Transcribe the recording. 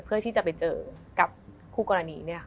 เพื่อที่จะไปเจอกับคู่กรณี